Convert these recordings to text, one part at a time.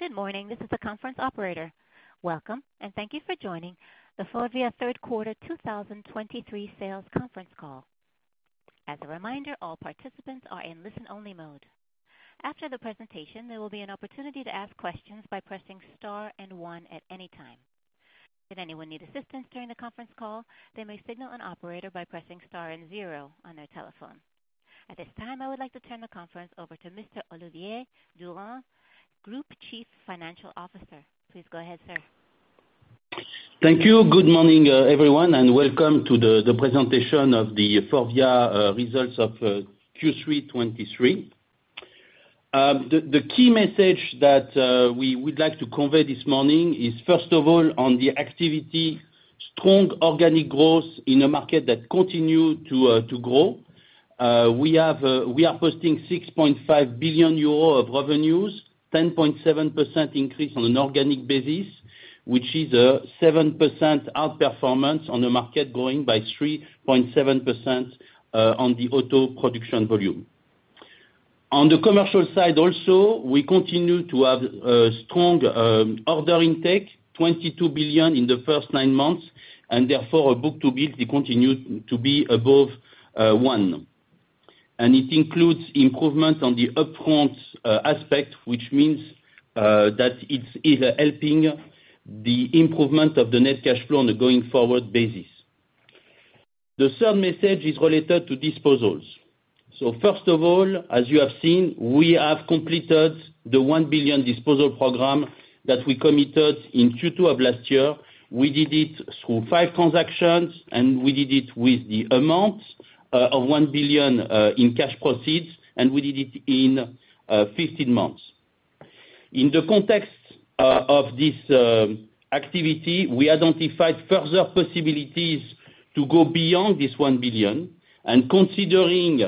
Good morning, this is the conference operator. Welcome, and thank you for joining the FORVIA Third Quarter 2023 Sales Conference Call. As a reminder, all participants are in listen-only mode. After the presentation, there will be an opportunity to ask questions by pressing star and one at any time. If anyone need assistance during the conference call, they may signal an operator by pressing star and zero on their telephone. At this time, I would like to turn the conference over to Mr. Olivier Durand, Group Chief Financial Officer. Please go ahead, sir. Thank you. Good morning everyone and welcome to the presentation of the FORVIA results of Q3 2023. The key message that we would like to convey this morning is, first of all, on the activity, strong organic growth in a market that continue to grow. We are posting 6.5 billion euro of revenues, 10.7% increase on an organic basis, which is a 7% outperformance on the market, growing by 3.7% on the auto production volume. On the commercial side also, we continue to have strong order intake, 22 billion in the first nine months, and therefore our book-to-bill continued to be above one. It includes improvements on the upfront aspect, which means that it's either helping the improvement of the net cash flow on a going forward basis. The third message is related to disposals. First of all, as you have seen, we have completed the 1 billion disposal program that we committed in Q2 of last year. We did it through five transactions, and we did it with the amount of 1 billion in cash proceeds, and we did it in 15 months. In the context of this activity, we identified further possibilities to go beyond this 1 billion, and considering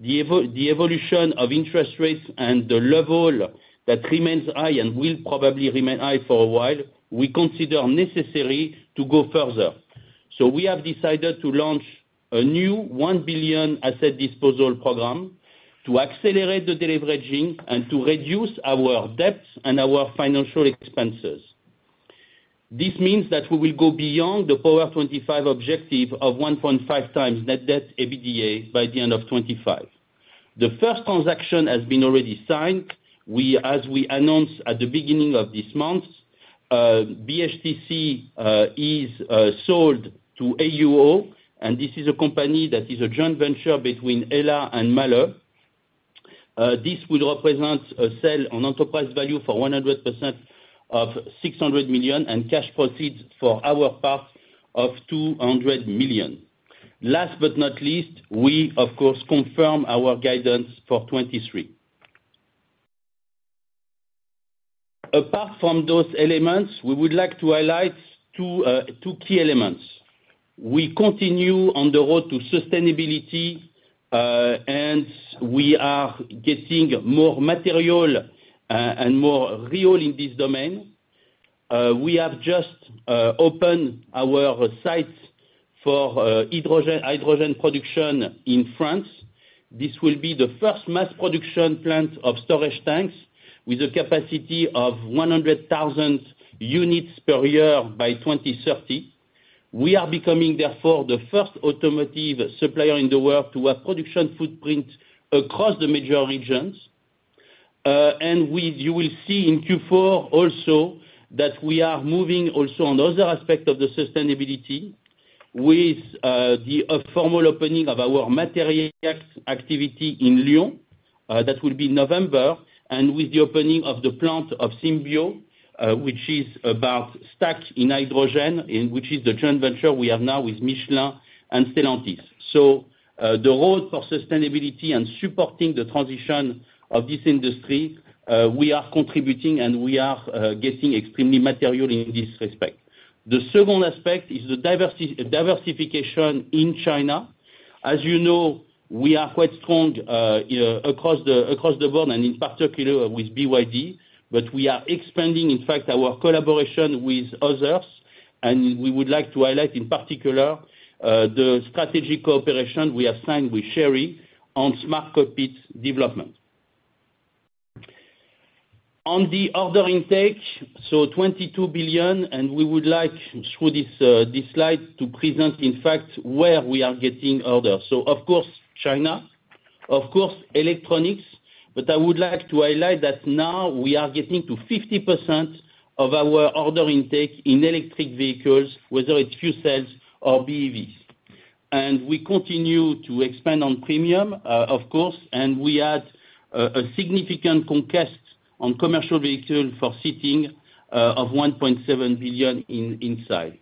the evolution of interest rates and the level that remains high and will probably remain high for a while, we consider necessary to go further. We have decided to launch a new 1 billion asset disposal program to accelerate the deleveraging and to reduce our debt and our financial expenses. This means that we will go beyond the Power25 objective of 1.5x net debt EBITDA by the end of 2025. The first transaction has been already signed. As we announced at the beginning of this month, BHTC is sold to AUO, and this is a company that is a joint venture between HELLA and MAHLE. This will represent a sale on enterprise value for 100% of 600 million, and cash proceeds for our part of 200 million. Last but not least, we, of course, confirm our guidance for 2023. Apart from those elements, we would like to highlight two key elements. We continue on the road to sustainability and we are getting more material and more real in this domain. We have just opened our site for hydrogen production in France. This will be the first mass production plant of storage tanks, with a capacity of 100,000 units per year by 2030. We are becoming, therefore, the first automotive supplier in the world to have production footprint across the major regions. You will see in Q4 also that we are moving also on other aspects of the sustainability with a formal opening of our materials activity in Lyon, that will be November, and with the opening of the plant of Symbio, which is about stacks in hydrogen, in which is the joint venture we have now with Michelin and Stellantis. The road for sustainability and supporting the transition of this industry, we are contributing, and we are getting extremely material in this respect. The second aspect is the diversification in China. As you know, we are quite strong across the board, and in particular with BYD. We are expanding, in fact, our collaboration with others, and we would like to highlight, in particular, the strategic cooperation we have signed with Chery on smart cockpit development. On the order intake, so 22 billion, and we would like, through this slide, to present, in fact, where we are getting orders. Of course, China, of course, electronics, but I would like to highlight that now we are getting to 50% of our order intake in electric vehicles, whether it's fuel cells or BEVs. We continue to expand on premium, of course, and we had a significant conquest on commercial vehicles for seating of 1.7 billion in inside.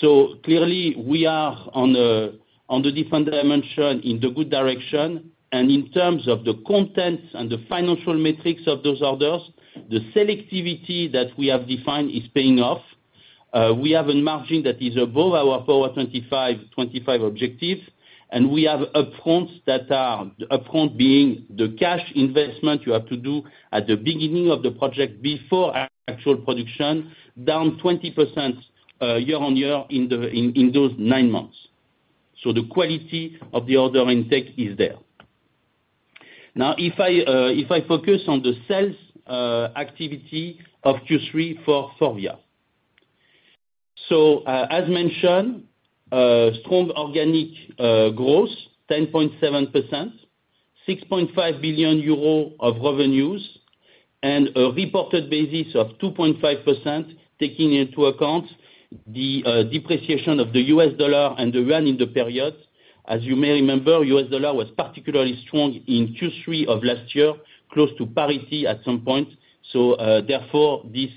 Clearly, we are on a different dimension, in the good direction, and in terms of the contents and the financial metrics of those orders, the selectivity that we have defined is paying off. We have a margin that is above our Power25, 2025 objective, and we have upfronts that are, upfront being the cash investment you have to do at the beginning of the project before actual production, down 20% year-over-year in those nine months. The quality of the order intake is there. Now, if I focus on the sales activity of Q3 for FORVIA. As mentioned, strong organic growth, 10.7%, 6.5 billion euro of revenues, and a reported basis of 2.5%, taking into account the depreciation of the U.S. dollar and the Rand in the period. As you may remember, U.S. dollar was particularly strong in Q3 of last year, close to parity at some point, so therefore, this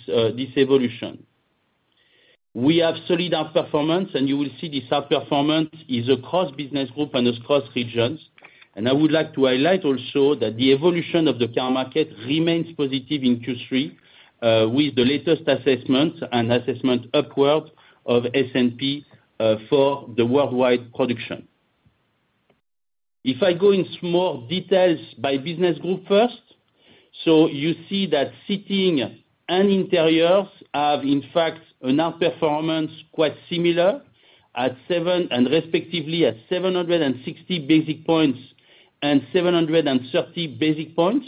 evolution. We have solid outperformance, and you will see this outperformance is across business group and across regions. I would like to highlight also that the evolution of the car market remains positive in Q3, with the latest assessment and assessment upward of S&P for the worldwide production. If I go in small details by business group first, so you see that Seating and Interiors have, in fact, an outperformance quite similar at seven, and respectively at 760 basis points and 730 basis points,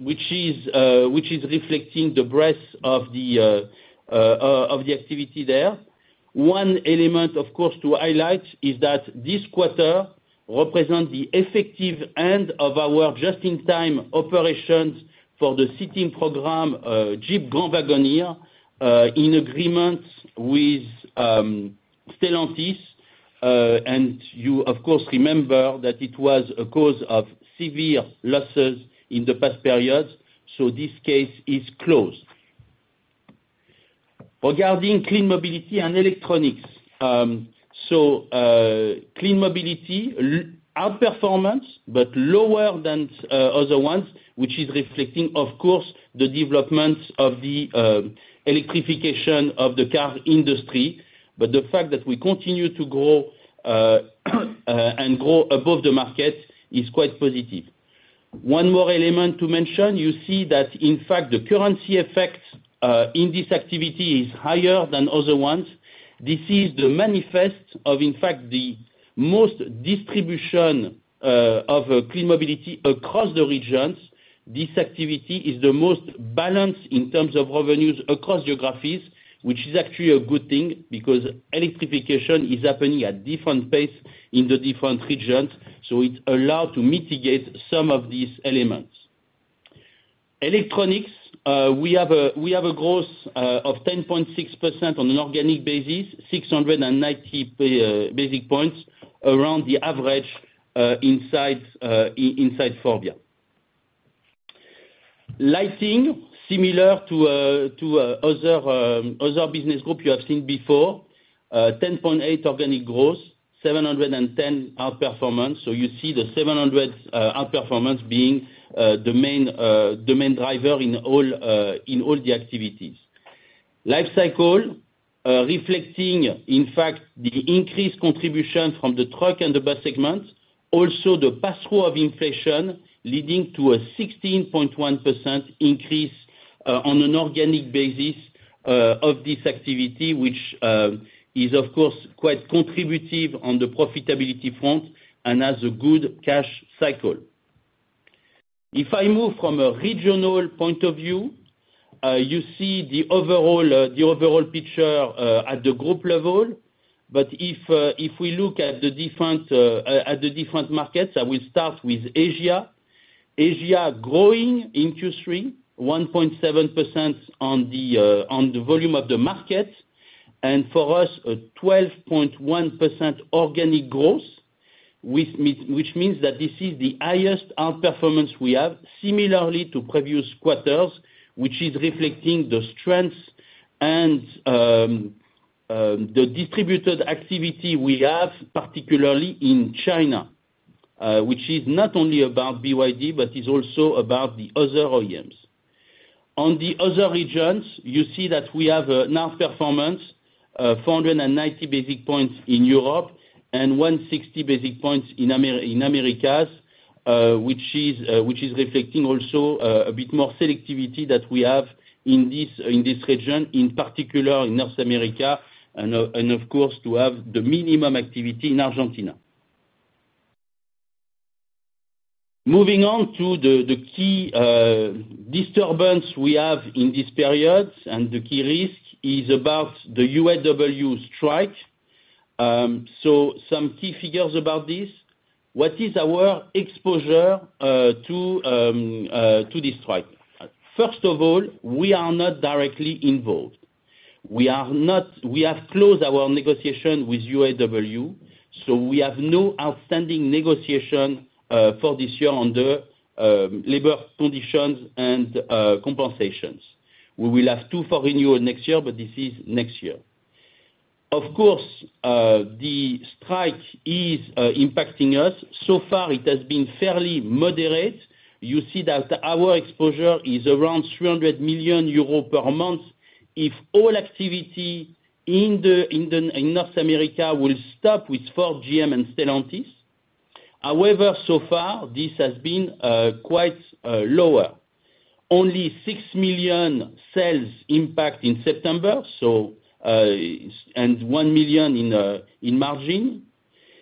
which is reflecting the breadth of the activity there. One element, of course, to highlight is that this quarter represent the effective end of our just-in-time operations for the seating program, Jeep Grand Wagoneer, in agreement with Stellantis. You, of course, remember that it was a cause of severe losses in the past periods, so this case is closed. Regarding Clean Mobility and Electronics, Clean Mobility outperformance, but lower than other ones, which is reflecting, of course, the developments of the electrification of the car industry. The fact that we continue to grow and grow above the market is quite positive. One more element to mention, you see that, in fact, the currency effect in this activity is higher than other ones. This is the manifest of, in fact, the most distribution of Clean Mobility across the regions. This activity is the most balanced in terms of revenues across geographies, which is actually a good thing, because electrification is happening at different pace in the different regions, so it allow to mitigate some of these elements. Electronics, we have a growth of 10.6% on an organic basis, 690 basis points around the average inside FORVIA. Lighting, similar to other business group you have seen before, 10.8 organic growth, 710 outperformance, so you see the 700 outperformance being the main driver in all the activities. Lifecycle, reflecting, in fact, the increased contribution from the truck and the bus segments. Also, the pass-through of inflation leading to a 16.1% increase on an organic basis of this activity, which is of course, quite contributive on the profitability front and has a good cash cycle. If I move from a regional point of view, you see the overall picture at the group level. If we look at the different markets, I will start with Asia. Asia growing increasingly, 1.7% on the volume of the market, and for us 12.1% organic growth, which means that this is the highest performance we have, similarly to previous quarters, which is reflecting the strengths and the distributed activity we have particularly in China, which is not only about BYD but about it is also about the other OEMs. On the other regions you see that we have enough performance 490 basic points in Europe and 160 basic points in Americas, which is affecting also a bit more of activity we have in this section in particular North America and of course, to have the minimum activity in Argentina. Moving on to the key disturbance we have in this period, and the key risk is about the UAW strike. Some key figures about this. What is our exposure to this strike? First of all, we are not directly involved. We have closed our negotiation with UAW, so we have no outstanding negotiation for this year on the labor conditions and compensations. We will have to renew next year, but this is next year. Of course, the strike is impacting us. So far, it has been fairly moderate. You see that our exposure is around 300 million euros per month. If all activity in North America will stop with Ford, GM, and Stellantis. However, so far, this has been quite lower. Only 6 million sales impact in September and 1 million in margin.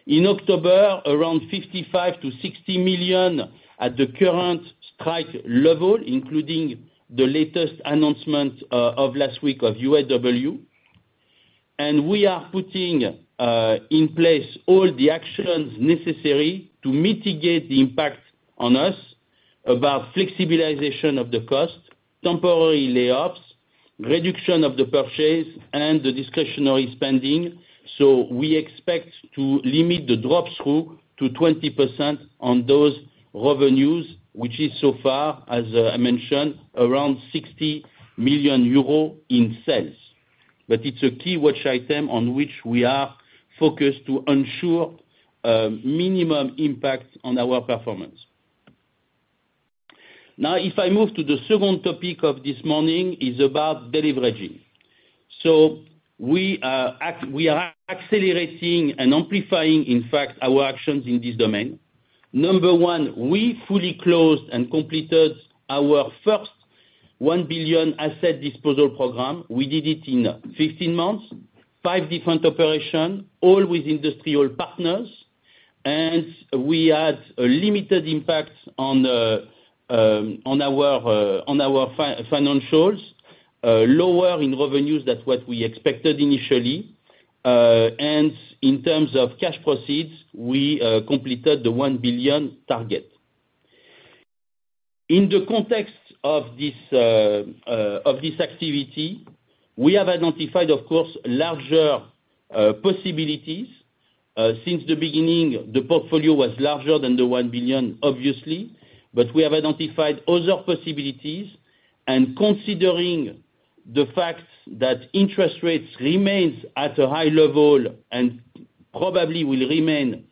In October, around 55 million-60 million at the current strike level, including the latest announcement of last week of UAW. We are putting in place all the actions necessary to mitigate the impact on us, about flexibilization of the cost, temporary layoffs, reduction of the purchase, and the discretionary spending. We expect to limit the drop through to 20% on those revenues, which is so far, as I mentioned, around 60 million euros in sales. It's a key watch item on which we are focused to ensure minimum impact on our performance. Now, if I move to the second topic of this morning, is about deleveraging. We are accelerating and amplifying, in fact, our actions in this domain. Number one, we fully closed and completed our first 1 billion asset disposal program. We did it in 15 months, five different operation, all with industrial partners, and we had a limited impact on our financials. Lower in revenues than what we expected initially. In terms of cash proceeds, we completed the 1 billion target. In the context of this activity, we have identified, of course, larger possibilities. Since the beginning, the portfolio was larger than the 1 billion, obviously, but we have identified other possibilities. Considering the fact that interest rates remains at a high level and probably will remain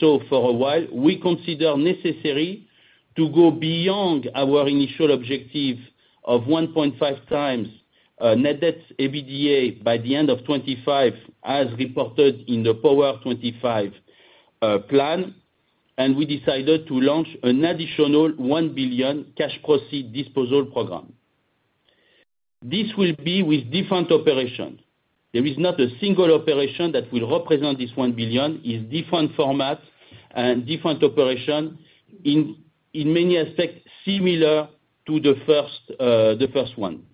so for a while, we consider necessary to go beyond our initial objective of 1.5x net debt EBITDA by the end of 2025, as reported in the Power25 plan. We decided to launch an additional 1 billion cash proceed disposal program. This will be with different operations. There is not a single operation that will represent this 1 billion, is different formats and different operation, in many aspects, similar to the first one.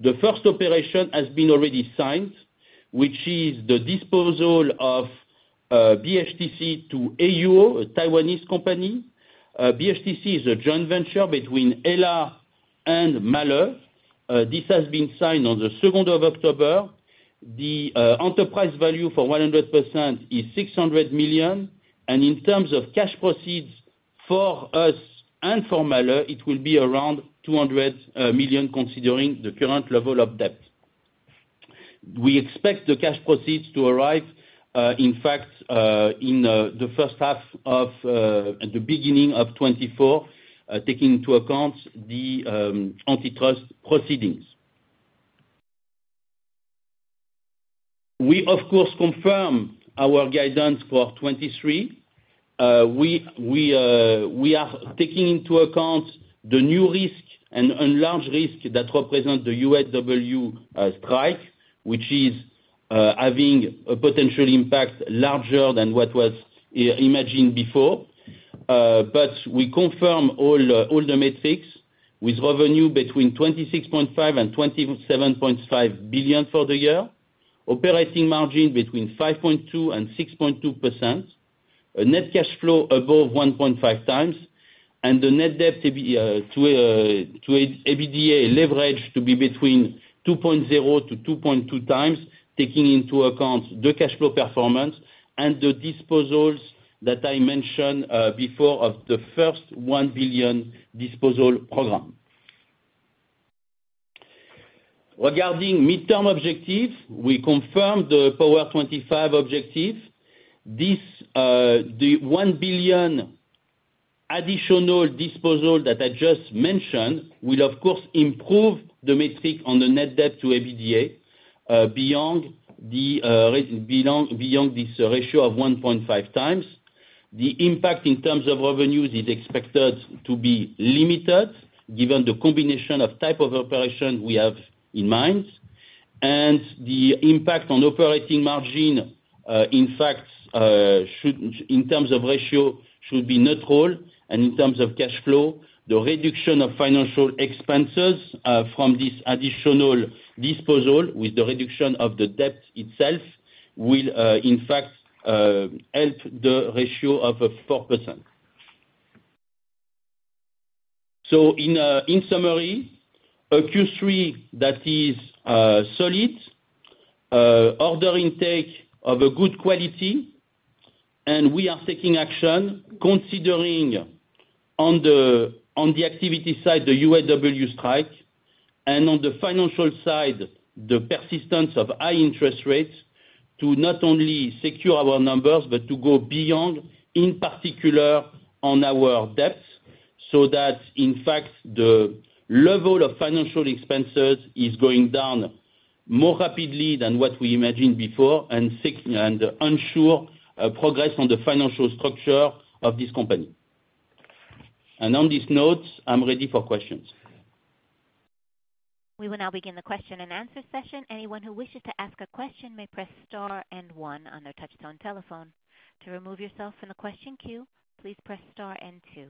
The first operation has been already signed, which is the disposal of BHTC to AUO, a Taiwanese company. BHTC is a joint venture between HELLA and MAHLE. This has been signed on the second of October. The enterprise value for 100% is 600 million, and in terms of cash proceeds for us and for MAHLE, it will be around 200 million, considering the current level of debt. We expect the cash proceeds to arrive in fact in the first half of at the beginning of 2024, taking into account the antitrust proceedings. We, of course, confirm our guidance for 2023. We are taking into account the new risk and large risk that represent the UAW strike, which is having a potential impact larger than what was imagined before. We confirm all the metrics, with revenue between 26.5 billion and 27.5 billion for the year, operating margin between 5.2% and 6.2%, a net cash flow above 1.5x, and the net debt to EBITDA leverage to be between 2.0x-2.2x, taking into account the cash flow performance and the disposals that I mentioned before of the first 1 billion disposal program. Regarding midterm objective, we confirmed the Power25 objective. This 1 billion additional disposal that I just mentioned will of course improve the metric on the net debt to EBITDA beyond this ratio of 1.5x. The impact in terms of revenues is expected to be limited, given the combination of type of operation we have in mind. The impact on operating margin, in fact, should, in terms of ratio, should be neutral. In terms of cash flow, the reduction of financial expenses from this additional disposal, with the reduction of the debt itself, will, in fact, help the ratio of 4%. In summary, a Q3 that is solid, order intake of a good quality, and we are taking action, considering on the activity side, the UAW strike, and on the financial side, the persistence of high interest rates to not only secure our numbers, but to go beyond, in particular on our debt. So that, in fact, the level of financial expenses is going down more rapidly than what we imagined before, and seek and ensure progress on the financial structure of this company. On this note, I'm ready for questions. We will now begin the question and answer session. Anyone who wishes to ask a question may press star and one on their touchtone telephone. To remove yourself from the question queue, please press star and two.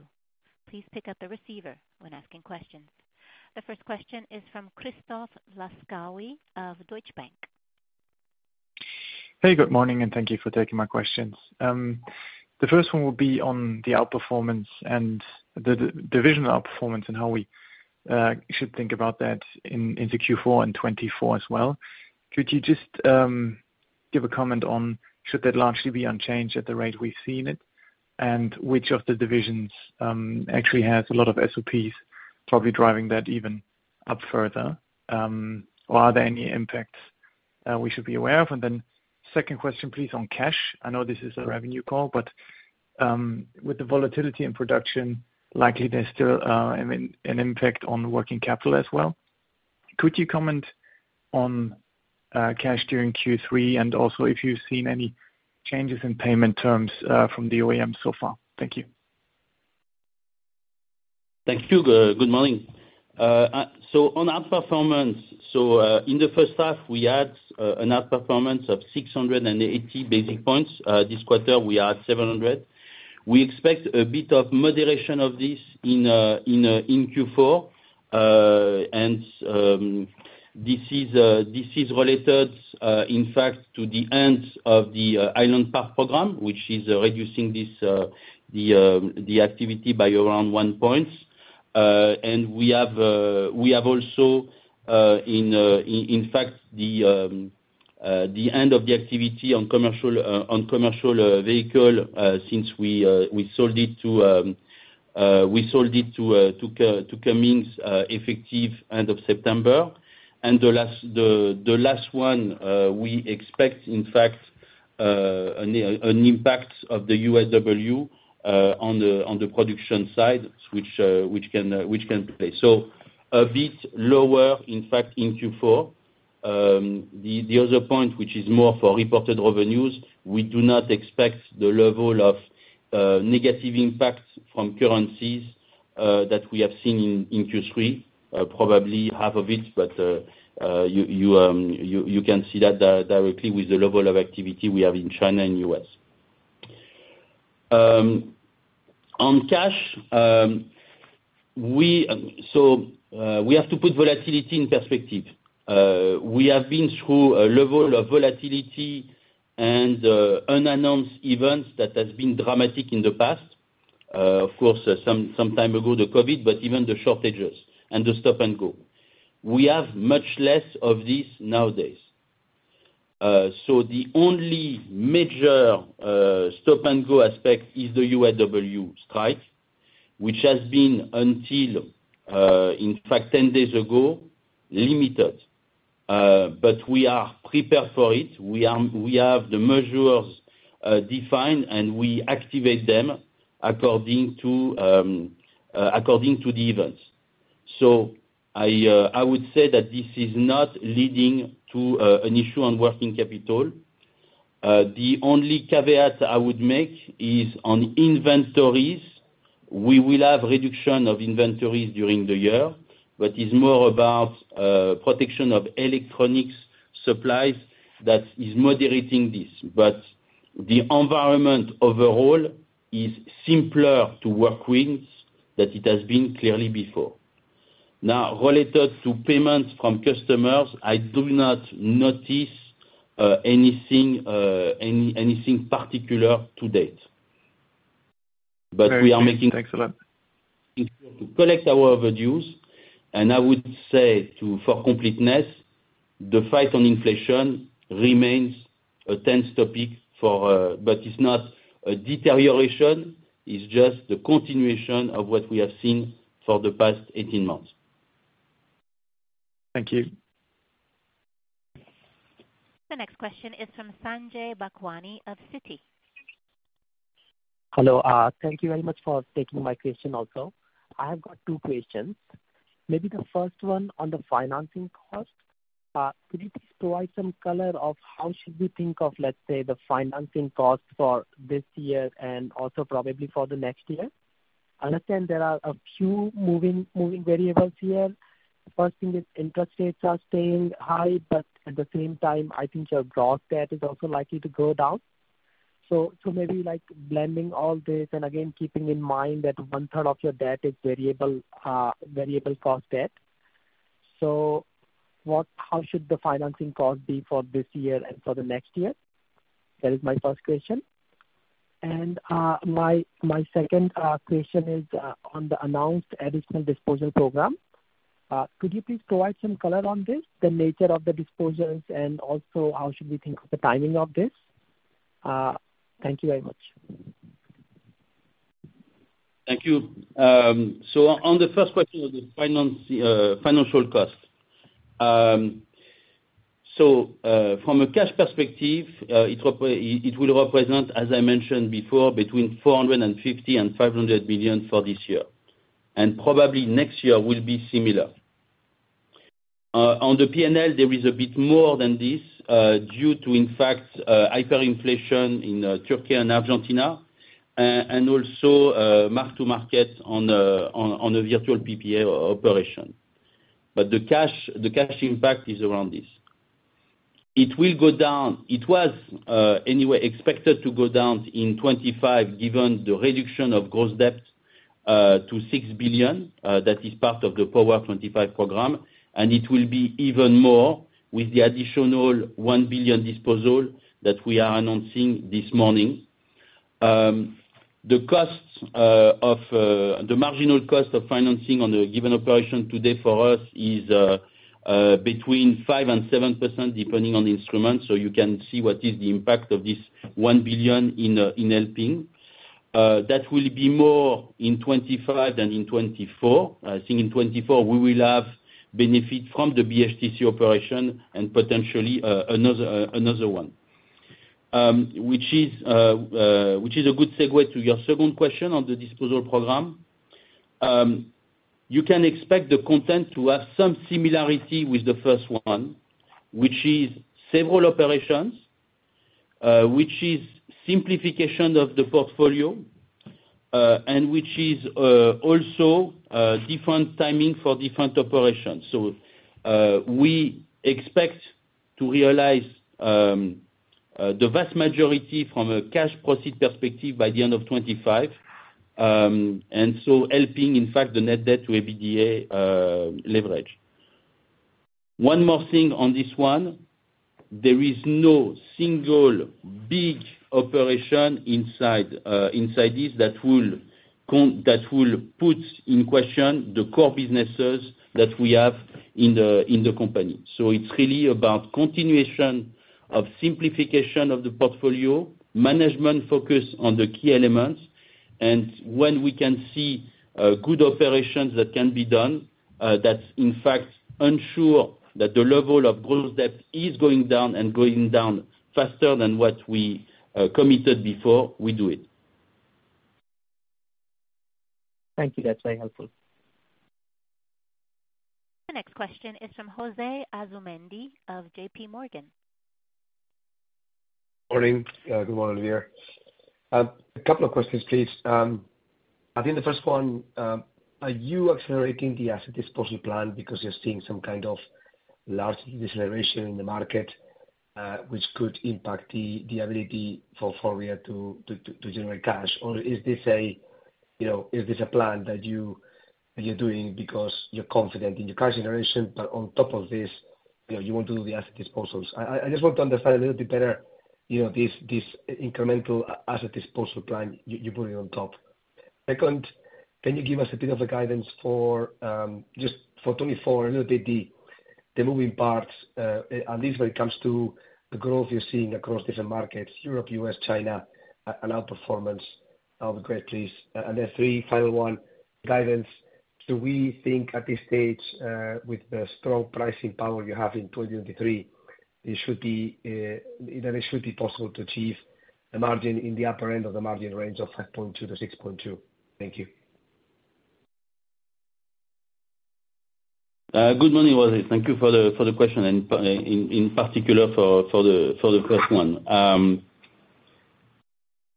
Please pick up the receiver when asking questions. The first question is from Christoph Laskawi of Deutsche Bank. Hey, good morning, and thank you for taking my questions. The first one will be on the outperformance and the division outperformance, and how we should think about that into Q4 and 2024 as well. Could you just give a comment on should that largely be unchanged at the rate we've seen it? Which of the divisions actually has a lot of SOPs, probably driving that even up further, or are there any impacts we should be aware of? Second question, please, on cash. I know this is a revenue call, but with the volatility in production, likely there's still, I mean, an impact on working capital as well. Could you comment on cash during Q3, and also if you've seen any changes in payment terms from the OEM so far? Thank you. Thank you. Good morning. On outperformance, in the first half, we had an outperformance of 680 basis points. This quarter, we are at 700. We expect a bit of moderation of this in Q4. This is related, in fact, to the end of the Highland Park program, which is reducing the activity by around one points. We have also, in fact, the end of the activity on commercial vehicle since we sold it to Cummins, effective end of September. The last one, we expect, in fact, an impact of the UAW on the production side, which can play. A bit lower, in fact, in Q4. The other point, which is more for reported revenues, we do not expect the level of negative impacts from currencies that we have seen in Q3, probably half of it. You can see that directly with the level of activity we have in China and U.S. On cash, we have to put volatility in perspective. We have been through a level of volatility and unannounced events that has been dramatic in the past. Of course, some time ago, the COVID, but even the shortages, and the stop-and-go. We have much less of this nowadays. The only major stop-and-go aspect is the UAW strike, which has been until, in fact, 10 days ago, limited. We are prepared for it. We have the measures defined, and we activate them according to the events. I would say that this is not leading to an issue on working capital. The only caveat I would make is on inventories. We will have reduction of inventories during the year, but it's more about protection of electronics supplies that is moderating this. The environment overall is simpler to work with than it has been clearly before. Now, related to payments from customers, I do not notice anything particular to date. But we are making- Thanks a lot. To collect our overdue, and I would say to, for completeness, the fight on inflation remains a tense topic for, but it's not a deterioration. It's just the continuation of what we have seen for the past 18 months. Thank you. The next question is from Sanjay Bhagwani of Citi. Hello, thank you very much for taking my question also. I have got 2 questions. Maybe the first one on the financing cost. Could you please provide some color of how should we think of, let's say, the financing cost for this year and also probably for the next year? I understand there are a few moving variables here. First thing is interest rates are staying high, but at the same time, I think your gross debt is also likely to go down. Maybe like blending all this, and again, keeping in mind that 1/3 of your debt is variable cost debt. How should the financing cost be for this year and for the next year? That is my first question. My second question is on the announced additional disposal program. Could you please provide some color on this, the nature of the disposals, and also how should we think of the timing of this? Thank you very much. Thank you. On the first question on the financial cost, from a cash perspective, it will represent, as I mentioned before, between 450 million and 500 million for this year, and probably next year will be similar. On the P&L, there is a bit more than this due to, in fact, hyperinflation in Turkey and Argentina, and also mark-to-market on the virtual PPA operation. The cash impact is around this. It will go down. It was, anyway, expected to go down in 2025, given the reduction of gross debt to 6 billion that is part of the Power25 program, and it will be even more with the additional 1 billion disposal that we are announcing this morning. The costs of the marginal cost of financing on a given operation today for us is between 5% and 7%, depending on the instrument, so you can see what is the impact of this 1 billion in helping. That will be more in 2025 than in 2024. I think in 2024 we will have benefit from the BHTC operation and potentially another one. Which is a good segue to your second question on the disposal program. You can expect the content to have some similarity with the first one, which is several operations, which is simplification of the portfolio, and which is also different timing for different operations. We expect to realize the vast majority from a cash proceeds perspective by the end of 2025, and so helping, in fact, the net debt to EBITDA leverage. One more thing on this one, there is no single big operation inside this that will put in question the core businesses that we have in the company. It's really about continuation of simplification of the portfolio, management focus on the key elements, and when we can see good operations that can be done, that's in fact ensuring that the level of gross debt is going down and going down faster than what we committed before we do it. Thank you. That's very helpful. The next question is from José Asumendi of JPMorgan. Morning. Good morning, Olivier. A couple of questions, please. I think the first one, are you accelerating the asset disposal plan because you're seeing some kind of large deceleration in the market which could impact the ability for Faurecia to generate cash? Is this, you know, a plan that you're doing because you're confident in your cash generation, but on top of this, you know, you want to do the asset disposals? I just want to understand a little bit better, you know, this incremental asset disposal plan you're putting on top. Second, can you give us a bit of a guidance for just for 2024, a little bit the moving parts, at least when it comes to the growth you're seeing across different markets, Europe, U.S., China, and outperformance of the growth rates? Three, final one, guidance. Do we think at this stage, with the strong pricing power you have in 2023, it should be that it should be possible to achieve a margin in the upper end of the margin range of 5.2-6.2? Thank you. Good morning, José. Thank you for the question and, in particular, for the first one.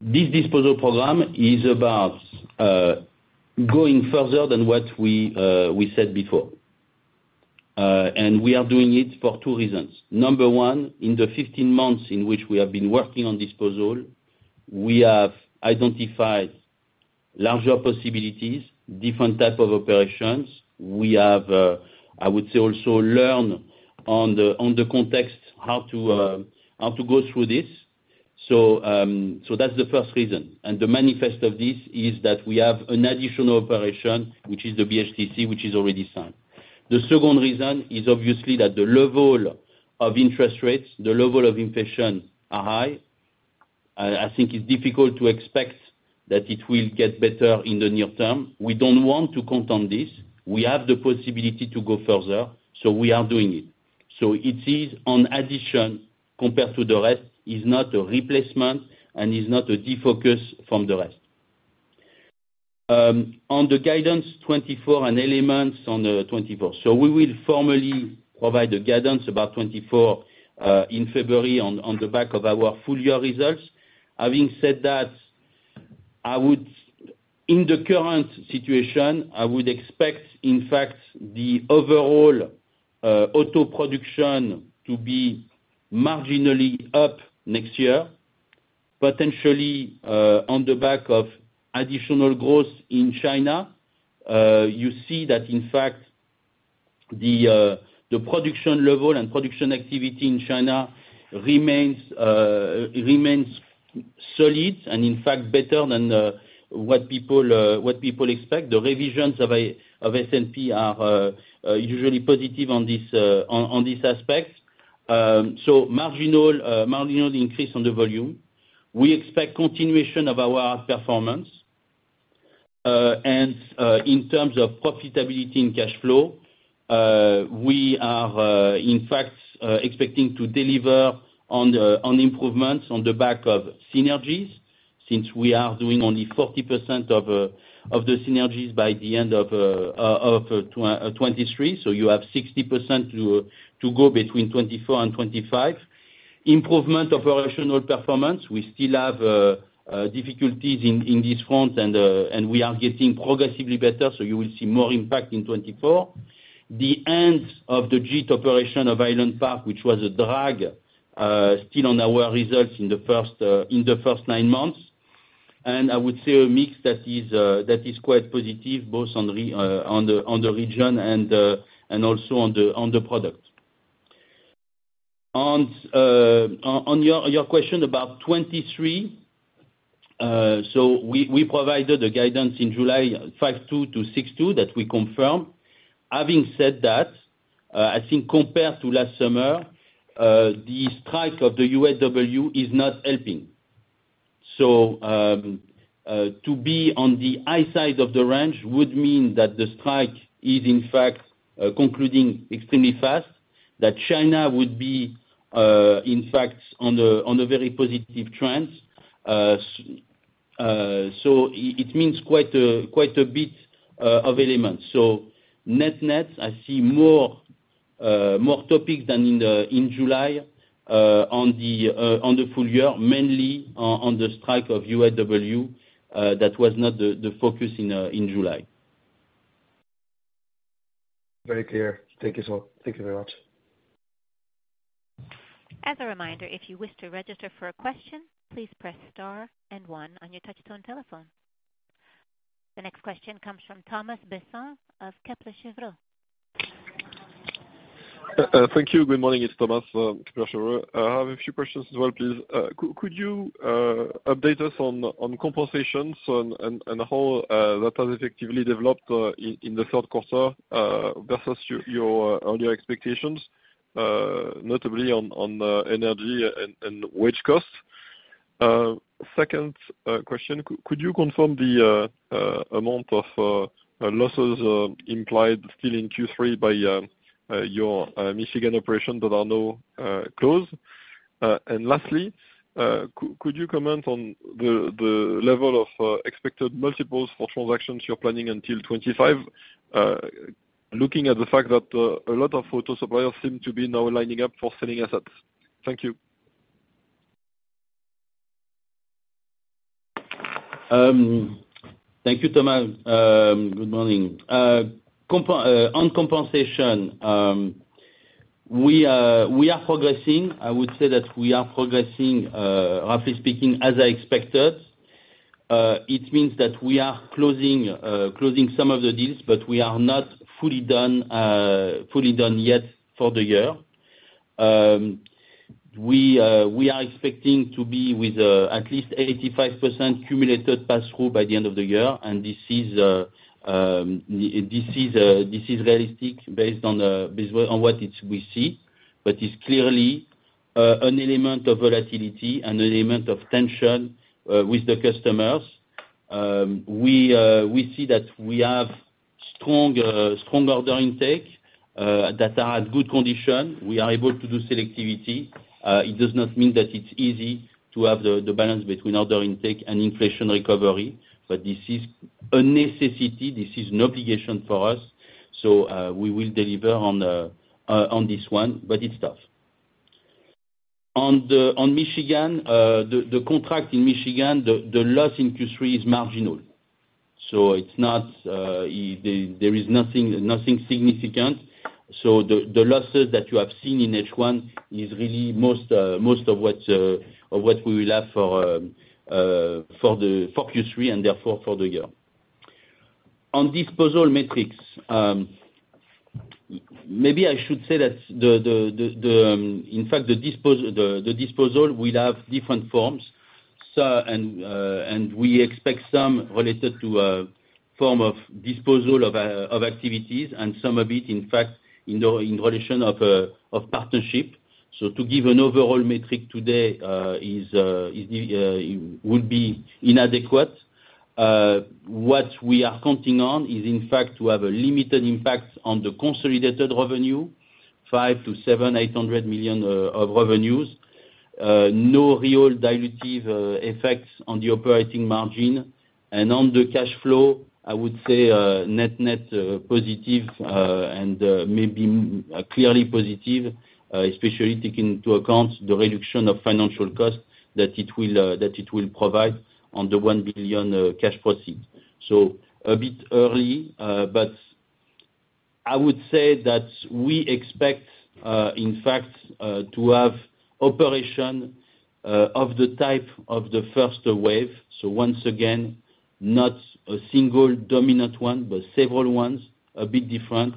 This disposal program is about going further than what we said before. We are doing it for two reasons. Number one, in the 15 months in which we have been working on disposal, we have identified larger possibilities, different type of operations. We have, I would say, also learn on the context how to go through this. That's the first reason, and the manifest of this is that we have an additional operation, which is the BHTC, which is already signed. The second reason is obviously that the level of interest rates, the level of inflation are high. I think it's difficult to expect that it will get better in the near term. We don't want to count on this. We have the possibility to go further, so we are doing it. It is on addition, compared to the rest, is not a replacement, and is not a defocus from the rest. On the guidance 2024 and elements on the 2024, we will formally provide a guidance about 2024 in February on the back of our full year results. Having said that, in the current situation, I would expect, in fact, the overall auto production to be marginally up next year, potentially on the back of additional growth in China. You see that, in fact, the production level and production activity in China remains solid, and in fact better than what people expect. The revisions of S&P are usually positive on this aspect. Marginal increase on the volume. We expect continuation of our outperformance. In terms of profitability and cash flow, we are, in fact, expecting to deliver on the improvements on the back of synergies since we are doing only 40% of the synergies by the end of 2023. You have 60% to go between 2024 and 2025. Improvement of operational performance, we still have difficulties in this front and we are getting progressively better, so you will see more impact in 2024. The end of the JIT operation of Highland Park, which was a drag still on our results in the first nine months. I would say a mix that is quite positive, both on the region and also on the product. On your question about 2023, we provided a guidance in July, 5.2-6.2, that we confirm. Having said that, I think compared to last summer, the strike of the UAW is not helping. To be on the high side of the range would mean that the strike is, in fact, concluding extremely fast, that China would be, in fact, on a very positive trend. It means quite a bit of elements. Net-net, I see more topics than in July, on the full year, mainly on the strike of UAW that was not the focus in July. Very clear. Thank you, sir. Thank you very much. As a reminder, if you wish to register for a question, please press star and one on your touch-tone telephone. The next question comes from Thomas Besson of Kepler Cheuvreux. Thank you. Good morning, it's Thomas, Kepler Cheuvreux. I have a few questions as well, please. Could you update us on compensations and how that has effectively developed in the third quarter versus your expectations, notably on energy and wage costs? Second question, could you confirm the amount of losses implied still in Q3 by your Michigan operation that are now closed? Lastly, could you comment on the level of expected multiples for transactions you're planning until 2025, looking at the fact that a lot of auto suppliers seem to be now lining up for selling assets? Thank you. Thank you, Thomas. Good morning. On compensation, we are are progressing. I would say that we are progressing, roughly speaking, as I expected. It means that we are closing some of the deals, but we are not fully done, fully done yet for the year. We are expecting to be with at least 85% cumulative pass-through by the end of the year, and this is realistic base on what we see. It's clearly an element of volatility and an element of tension with the customers. We see that we have strong order intake that are at good condition. We are able to do selectivity. It does not mean that it's easy to have the balance between order intake and inflation recovery, but this is a necessity, this is an obligation for us. We will deliver on this one, but it's tough. On Michigan, the contract in Michigan, the loss in Q3 is marginal, there is nothing significant. The losses that you have seen in H1 is really most of what we will have for Q3 and therefore for the year. On disposal metrics, maybe I should say that, in fact, the disposal will have different forms. We expect some related to a form of disposal of activities and some of it, in fact, in relation of partnership. To give an overall metric today would be inadequate. What we are counting on is, in fact, to have a limited impact on the consolidated revenue, 500 million-700 million, 800 million of revenues. No real dilutive effects on the operating margin. On the cash flow, I would say net-net positive and maybe clearly positive, especially taking into account the reduction of financial costs that it will provide on the 1 billion cash proceed. A bit early, but I would say that we expect, in fact, to have operation of the type of the first wave. Once again, not a single dominant one, but several ones, a bit different,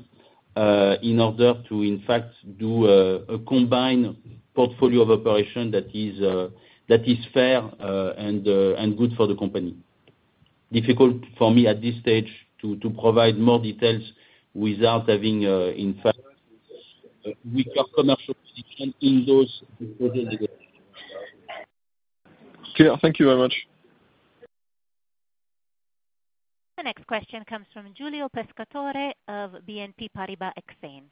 in order to, in fact, do a combined portfolio of operation that is fair and good for the company. Difficult for me at this stage to provide more details without having, in fact, weaker commercial position in those negotiations. Okay, thank you very much. The next question comes from Giulio Pescatore of BNP Paribas Exane.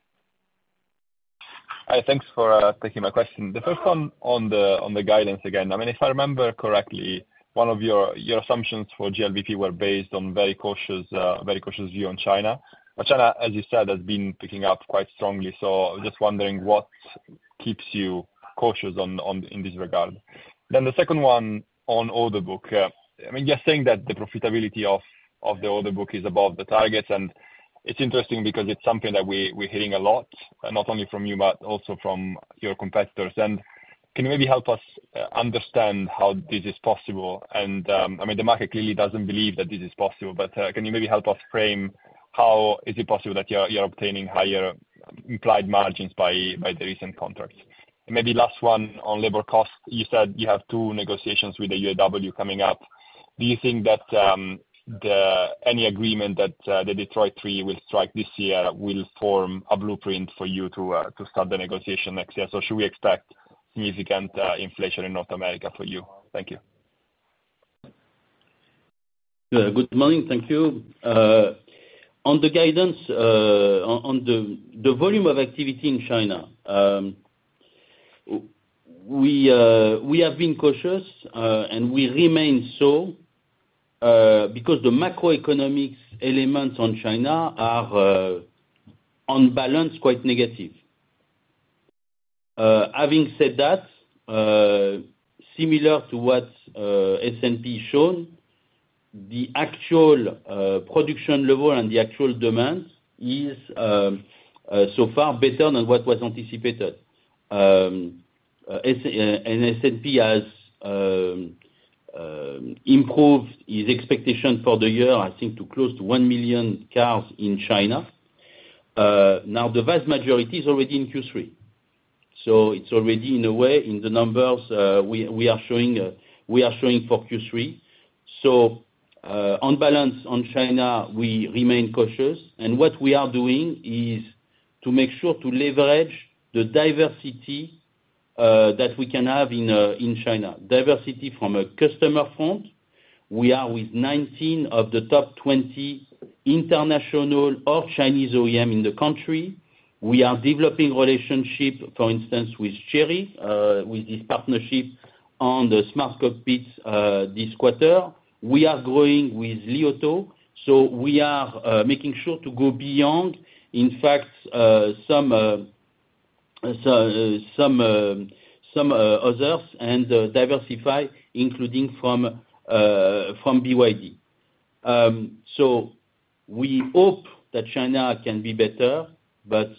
Thanks for taking my question. The first one on the guidance again, I mean, if I remember correctly, one of your assumptions for GLVP were based on very cautious view on China, but China as you said has been picking up quite strongly. So, just wondering what keeps you cautious on the EBITDA. Then the second one on all the book here, I mean, you are saying that all the profitability of the other book is above the target and it's interesting because it's something that we are hearing lot, and not only from you but from the competitors. Can you may be help us understand how this is possible. I mean, the market clearly doesn't believe that this is possible, but can you maybe help us frame how is it possible that you're obtaining higher implied margins by the recent contracts? Maybe last one, on labor costs. You said you have two negotiations with the UAW coming up. Do you think that any agreement that the Detroit Three will strike this year will form a blueprint for you to start the negotiation next year? Should we expect significant inflation in North America for you? Thank you. Good morning. Thank you. On the guidance, on the volume of activity in China, we have been cautious and we remain so because the macroeconomics elements on China are, on balance, quite negative. Having said that, similar to what S&P shown, the actual production level and the actual demand is so far better than what was anticipated. S&P has improved its expectation for the year, I think, to close to 1 million cars in China. Now, the vast majority is already in Q3, so it's already in a way, in the numbers we are showing for Q3. On balance on China, we remain cautious, and what we are doing is to make sure to leverage the diversity that we can have in China. Diversity from a customer front, we are with 19 of the top 20 international of Chinese OEM in the country. We are developing relationship, for instance, with Chery, with this partnership on the smart cockpits this quarter. We are growing with Li Auto, so we are making sure to go beyond, in fact, some others and diversify, including from BYD. We hope that China can be better, but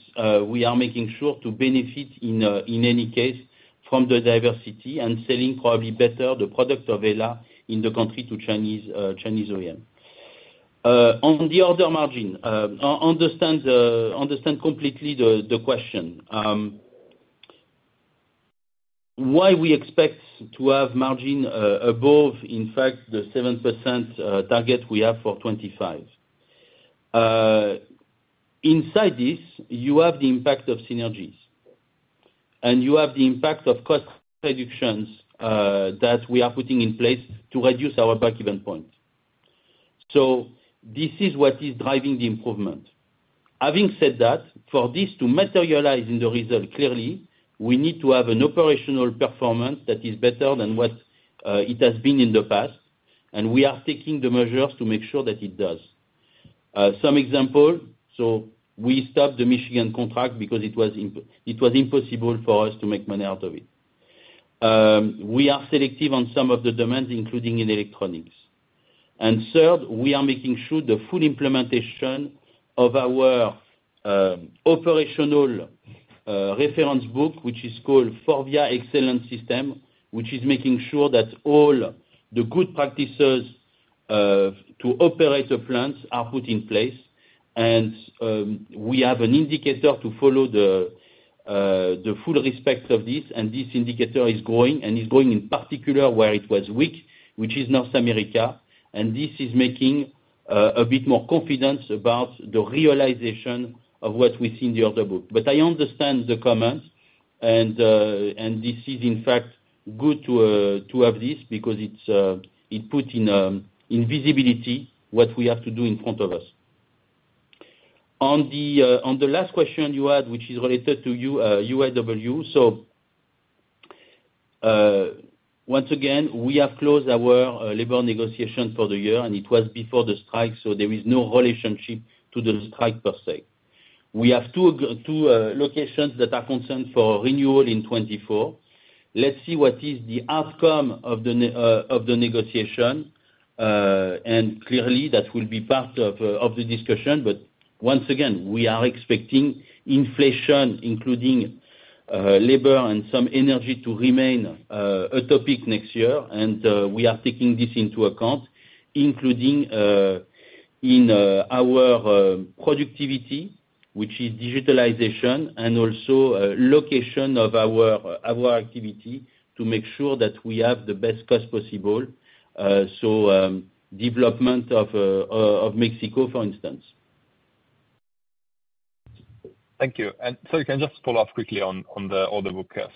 we are making sure to benefit in any case from the diversity and selling probably better the product of HELLA in the country to Chinese OEM. On the order margin, I understand, understand completely the, the question. Why we expect to have margin, in fact, above the 7% target we have for 2025? Inside this, you have the impact of synergies, and you have the impact of cost reductions that we are putting in place to reduce our breakeven point. This is what is driving the improvement. Having said that, for this to materialize in the result, clearly, we need to have an operational performance that is better than what it has been in the past, and we are taking the measures to make sure that it does. Some example, we stopped the Michigan contract because it was impossible for us to make money out of it. We are selective on some of the demands, including in Electronics. Third, we are making sure the full implementation of our operational reference book, which is called FORVIA Excellence System, which is making sure that all the good practices to operate the plants are put in place. We have an indicator to follow the full respect of this, and this indicator is growing, and is growing in particular where it was weak, which is North America. This is making a bit more confidence about the realization of what we see in the order book. I understand the comments, and this is, in fact, good to have this because it put in visibility what we have to do in front of us. On the last question you had, which is related to UAW, so once again, we have closed our labor negotiation for the year, and it was before the strike, so there is no relationship to the strike per se. We have two locations that are concerned for renewal in 2024. Let's see what is the outcome of the negotiation, and clearly that will be part of the discussion. But once again, we are expecting inflation, including labor and some energy to remain a topic next year. We are taking this into account, including in our productivity, which is digitalization and also location of our activity to make sure that we have the best cost possible, so development of Mexico, for instance. Thank you. You can just follow up quickly on the order book here.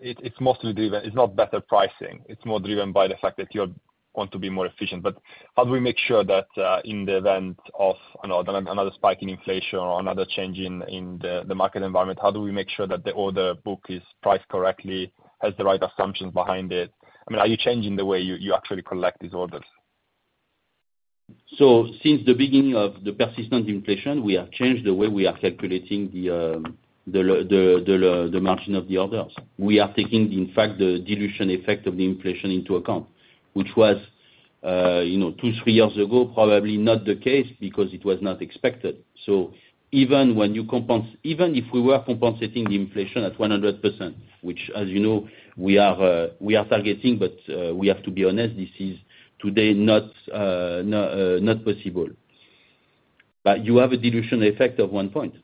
It's mostly driven, it's not better pricing, it's more driven by the fact that you're want to be more efficient. How do we make sure that in the event of, you know, another spike in inflation or another change in the market environment, how do we make sure that the order book is priced correctly, has the right assumptions behind it? I mean, are you changing the way you actually collect these orders? Since the beginning of the persistent inflation, we have changed the way we are calculating the margin of the orders. We are taking, in fact, the dilution effect of the inflation into account, which was, you know, two, three years ago, probably not the case because it was not expected. Even if we were compensating the inflation at 100%, which as you know, we are targeting, but we have to be honest, this is today not possible. But you have a dilution effect of one point.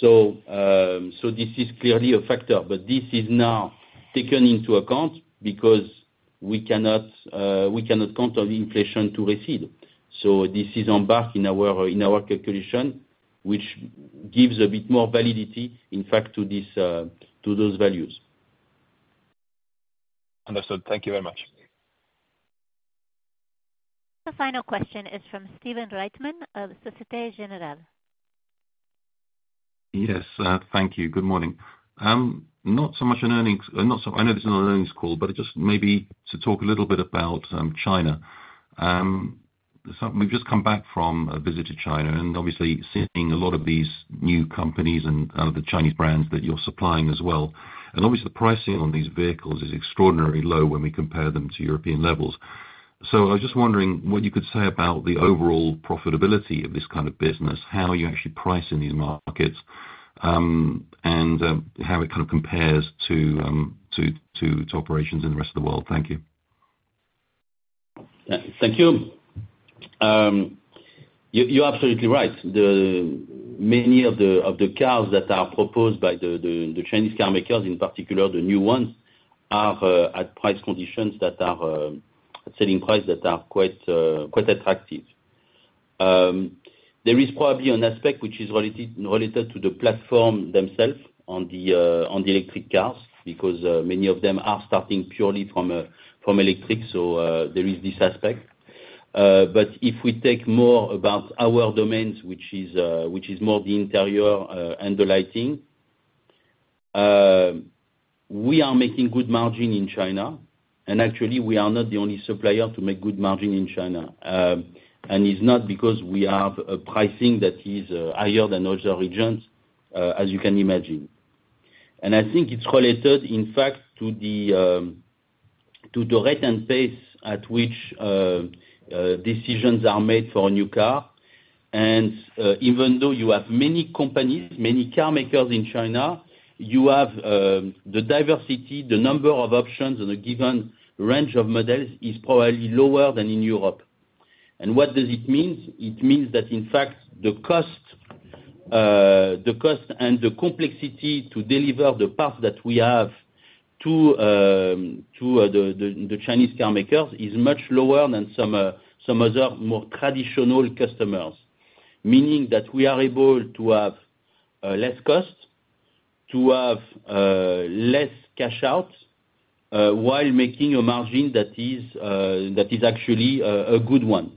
This is clearly a factor, but this is now taken into account because we cannot count on the inflation to recede. This is on back in our calculation, which gives a bit more validity, in fact, to those values. Understood. Thank you very much. The final question is from Stephen Reitman of Société Générale. Yes, thank you. Good morning. I know this is not an earnings call, but just maybe to talk a little bit about China. We've just come back from a visit to China, and obviously seeing a lot of these new companies and the Chinese brands that you're supplying as well. Obviously, the pricing on these vehicles is extraordinarily low when we compare them to European levels. I was just wondering what you could say about the overall profitability of this kind of business, how you actually price in these markets, and how it kind of compares to operations in the rest of the world. Thank you. Thank you. You, you're absolutely right. The many of the cars that are proposed by the Chinese car makers, in particular, the new ones, are at price conditions that are selling price that are quite attractive. There is probably an aspect which is related to the platform themselves on the electric cars, because many of them are starting purely from electric, so there is this aspect. If we take more about our domains, which is more the interior and the lighting, we are making good margin in China, and actually, we are not the only supplier to make good margin in China. It's not because we have a pricing that is higher than other regions, as you can imagine. I think it's related, in fact, to the rate and pace at which decisions are made for a new car. Even though you have many companies, many car makers in China, you have the diversity, the number of options on a given range of models is probably lower than in Europe. What does it mean? It means that, in fact, the cost and the complexity to deliver the part that we have to the Chinese car makers is much lower than some other more traditional customers. Meaning that we are able to have less cost, to have less cash out while making a margin that is actually a good one.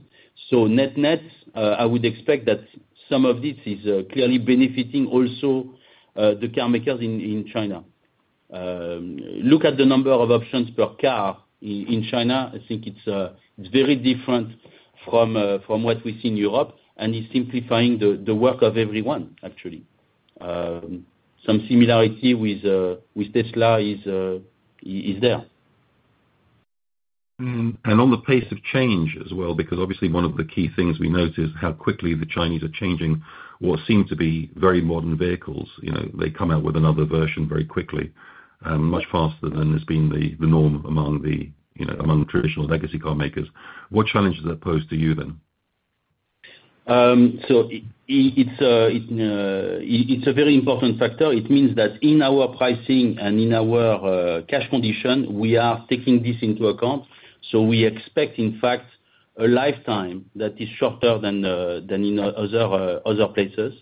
Net-net, I would expect that some of this is clearly benefiting also the car makers in China. Look at the number of options per car in China. I think it's very different from what we see in Europe, and it's simplifying the work of everyone, actually. Some similarity with Tesla is there. On the pace of change as well, because obviously one of the key things we notice how quickly the Chinese are changing, what seem to be very modern vehicles, you know, they come out with another version very quickly, much faster than has been the norm among the, you know, traditional legacy car makers. What challenges that pose to you then? It's a very important factor. It means that in our pricing and in our cash condition, we are taking this into account, so we expect, in fact, a lifetime that is shorter than in other places.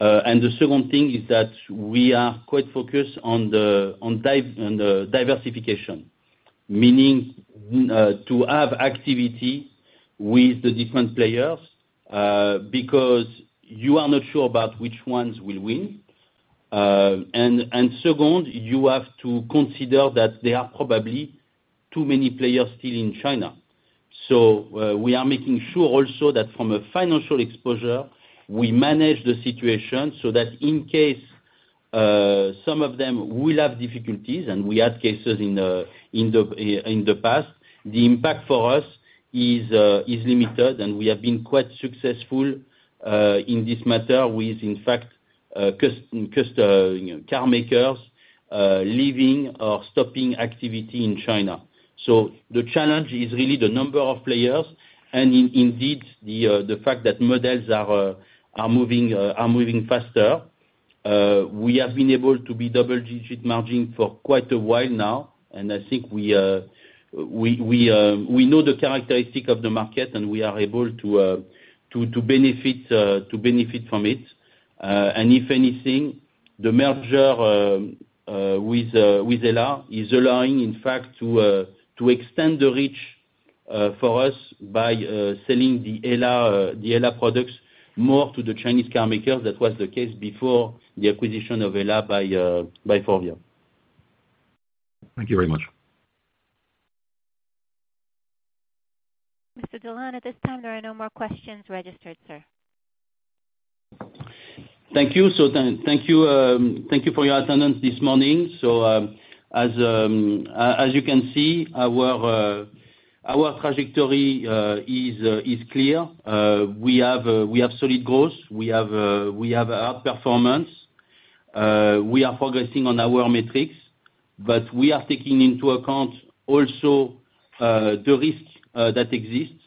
The second thing is that we are quite focused on the diversification, meaning to have activity with the different players because you are not sure about which ones will win. Second, you have to consider that there are probably too many players still in China. We are making sure also that from a financial exposure, we manage the situation so that in case some of them will have difficulties, and we had cases in the past, the impact for us is limited, and we have been quite successful in this matter with, in fact, you know, car makers leaving or stopping activity in China. The challenge is really the number of players, and indeed, the fact that models are moving faster. We have been able to be double-digit margin for quite a while now, and I think we know the characteristic of the market, and we are able to benefit from it. If anything, the merger with HELLA is allowing, in fact, to extend the reach for us by selling the HELLA products more to the Chinese car makers. That was the case before the acquisition of HELLA by FORVIA. Thank you very much. Mr. Durand, at this time, there are no more questions registered, sir. Thank you. Thank you for your attendance this morning. As you can see, our trajectory is clear. We have solid growth. We have outperformance. We are progressing on our metrics, but we are taking into account also the risk that exists.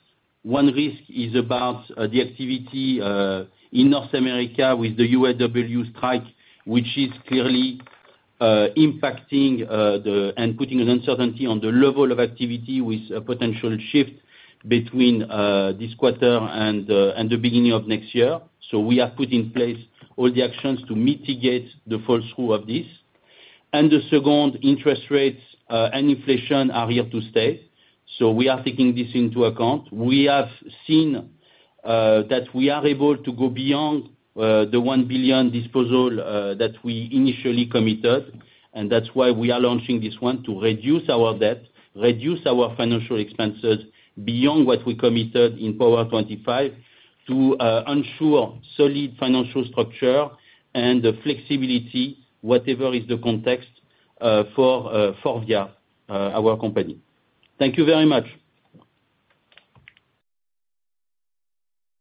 One risk is about the activity in North America with the UAW strike, which is clearly impacting and putting an uncertainty on the level of activity with a potential shift between this quarter and the beginning of next year. We have put in place all the actions to mitigate the full screw of this. The second, interest rates and inflation are here to stay, so we are taking this into account. We have seen that we are able to go beyond the 1 billion disposal that we initially committed, and that's why we are launching this one, to reduce our debt, reduce our financial expenses beyond what we committed in Power25, to ensure solid financial structure and the flexibility, whatever is the context, for FORVIA, our company. Thank you very much.